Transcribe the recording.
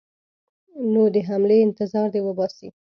نو د حملې انتظار دې وباسي.